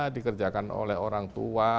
dikerjakan oleh orang tua